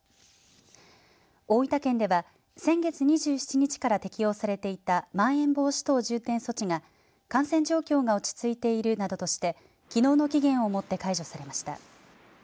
大分県では先月２７日から適用されていたまん延防止等重点措置が感染状況が落ち着いているなどとしてきのうの期限をもって解除されました。